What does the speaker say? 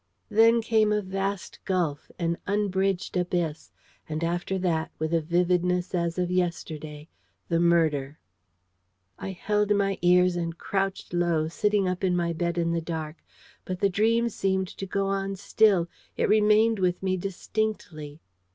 Then came a vast gulf, an unbridged abyss: and after that, with a vividness as of yesterday, the murder. I held my ears and crouched low, sitting up in my bed in the dark. But the dream seemed to go on still: it remained with me distinctly.